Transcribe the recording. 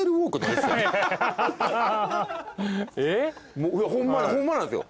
えっ？ホンマなんですよ。